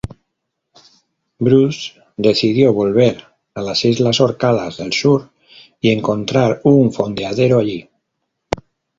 Bruce decidió volver a las islas Orcadas del Sur y encontrar un fondeadero allí.